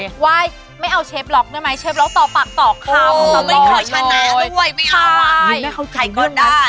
ต่อคำไม่เคยชนะไม่เอาไว้ไม๊ค่ะใครก็ได้